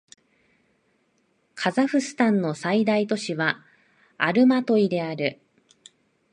カザフスタンの最大都市はアルマトイである